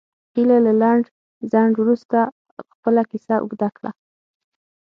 هیلې له لنډ ځنډ وروسته خپله کیسه اوږده کړه